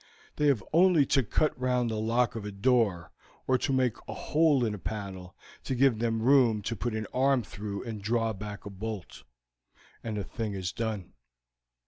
They have only to cut round the lock of a door or to make a hole in a panel to give them room to put an arm through and draw back a bolt, and the thing is done.